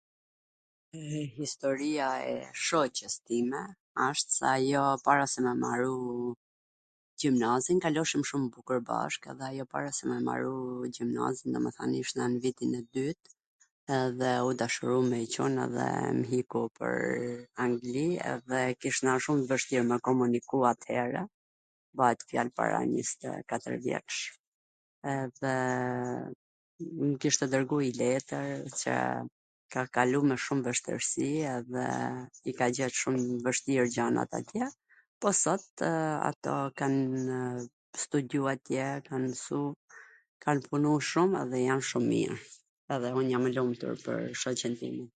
Historia e shoqes time asht se ajo para se me maru gjimnazin kaloshim shum bukur bashk, edhe ajo para se me maru gjimnazin do me than ishte nw vitin e dyt, edhe u dashuru me njw Cun edhe iku pwr Angli edhe e kish ma shum vwshtir me komuniku atere, bahet fjal para njwztekatwr vjetsh, edhe mw kishte dwrgu njw letwr qw ka kalu me shum vwshtirsi edhe ji ka gjet shum vwshtir gjanat atje, po sot ato kan studju atje, kan mwsu, kan punu shum edhe jan shum mir edhe un jan e lumtur pwr shoqen time.